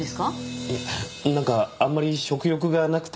いやなんかあんまり食欲がなくて。